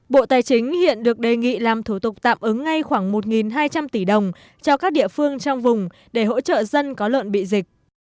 bộ tài chính hiện được đề nghị làm thủ tục tạm ứng ngay khoảng một hai trăm linh tỷ đồng cho các địa phương trong vùng để hỗ trợ dân có lợn bị dịch